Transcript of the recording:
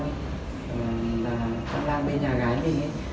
quang lang bên nhà gái mình